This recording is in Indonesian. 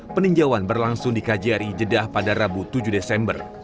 peninjauan berlangsung di kjri jeddah pada rabu tujuh desember